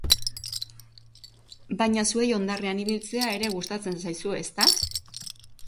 Baina zuei hondarrean ibiltzea ere gustatzen zaizue ezta?